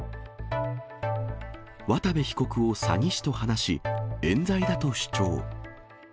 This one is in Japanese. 渡部被告を詐欺師と話し、えん罪だと主張。